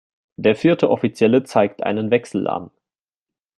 Der vierte Offizielle zeigt einen Wechsel an.